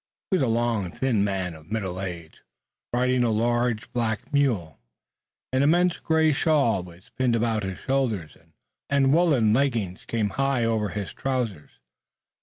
He was a long thin man of middle age, riding a large black mule. An immense gray shawl was pinned about his shoulders, and woollen leggings came high over his trousers.